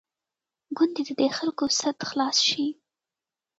کوندي د دې خلکو سد خلاص شي.